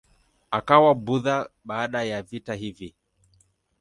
Akawa Mbudha baada ya vita hivi.